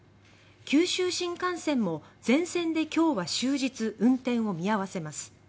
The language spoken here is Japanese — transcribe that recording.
九州新幹線も、全線で今日は終日運転を見合わせます。